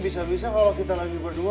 bisa bisa kalau kita lagi berdua